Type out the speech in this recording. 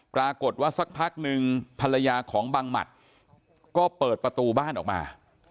กรากฏว่าสักพักหนึ่งภรรยาของบังมัติก็เปิดประตูบ้านออกมา